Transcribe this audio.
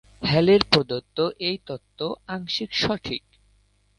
হ্যালির প্রদত্ত এই তত্ত্ব আংশিক সঠিক।